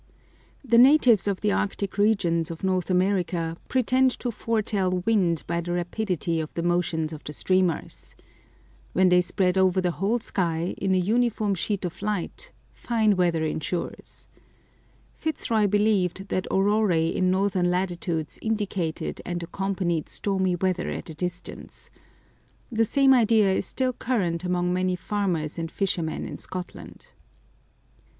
The natives of the Arctic regions of North America pretend to foretell wind by the rapidity of the motions of the streamers. When they spread over the whole sky, in a uniform sheet of light, fine weather ensues. Fitzroy believed that auroræ in northern latitudes indicated and accompanied stormy weather at a distance. The same idea is still current among many farmers and fishermen in Scotland.